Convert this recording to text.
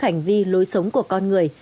hành vi lối sống của con người